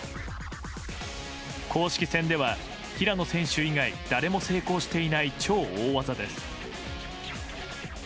公式戦では平野選手以外誰も成功していない超大技です。